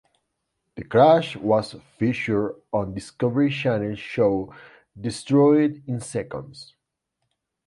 The crash was featured on Discovery Channel show Destroyed in Seconds.